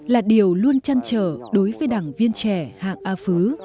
là điều luôn chăn trở đối với đảng viên trẻ hạng a phứ